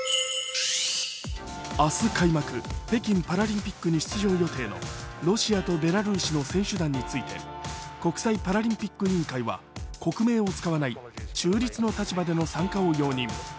明日開幕、北京パラリンピックに出場予定のロシアとベラルーシの選手団について国際パラリンピック委員会は国名を使わない中立の立場での参加を容認。